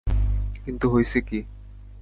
কিন্তু, হইছে কি?